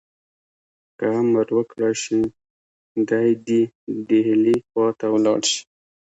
که امر وکړای شي دی دي ډهلي خواته ولاړ شي.